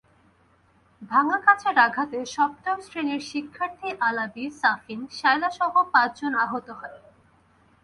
ভাঙা কাচের আঘাতে সপ্তম শ্রেণীর শিক্ষার্থী আলাবি, সাফিন, শায়লাসহ পাঁচজন আহত হয়।